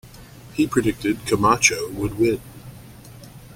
He predicted Camacho would win.